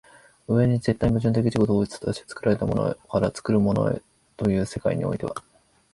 上に絶対矛盾的自己同一として作られたものから作るものへという世界においては